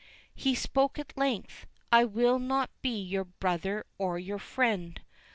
He spoke at length, "I will not be your brother or your friend.